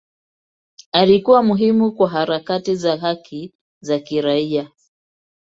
Alikuwa muhimu kwa harakati za haki za kiraia.